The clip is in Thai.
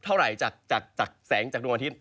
แต่ว่าในช่วงบ่ายนะครับอากาศค่อนข้างร้อนและอุ๊บนะครับ